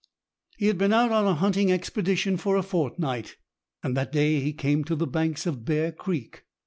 He had been out on a hunting expedition for a fortnight, and that day came to the banks of Bear Creek.